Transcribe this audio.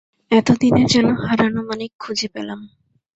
এতদিনে যেন হারানো মানিক খুঁজে পেলাম।